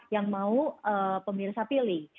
yang mau pemirsa pilih